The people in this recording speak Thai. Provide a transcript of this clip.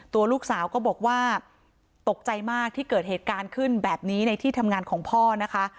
ตัวลูกสาวก็บอกว่าตกใจมากที่เกิดเหตุการณ์ขึ้นแบบนี้ในที่ทำงานของพ่อนะคะ